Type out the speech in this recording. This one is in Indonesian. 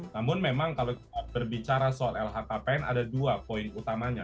namun memang kalau kita berbicara soal lhkpn ada dua poin utamanya